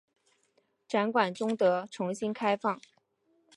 展馆终得重新开放。